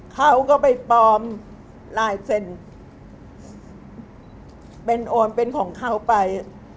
เขาก็ไปปลอมลายเซ็นเป็นโอนเป็นของเขาไป